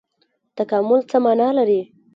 تکامل څه مانا لري؟